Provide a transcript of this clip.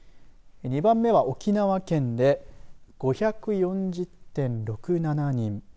２番目は沖縄県で５４０．６７人。